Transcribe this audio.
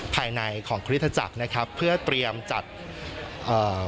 ภายในของคริสตจักรนะครับเพื่อเตรียมจัดเอ่อ